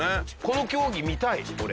この競技見たい俺。